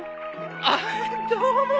ああどうも。